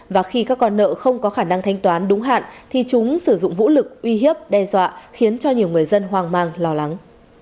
và khi các con nợ không có khả năng thanh toán đúng hạn thì chúng sử dụng vũ lực uy hiếp đe dọa khiến cho nhiều người dân hoang mang lo lắng